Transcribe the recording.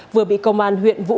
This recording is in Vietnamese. vừa bị công an huyện vũ quang